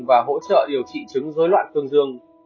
và hỗ trợ điều trị chứng dối loạn cương dương